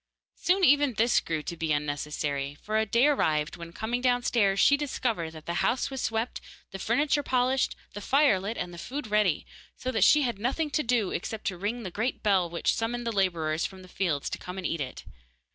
Soon even this grew to be unnecessary, for a day arrived when, coming downstairs, she discovered that the house was swept, the furniture polished, the fire lit, and the food ready, so that she had nothing to do except to ring the great bell which summoned the labourers from the fields to come and eat it.